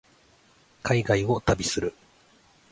海外を旅する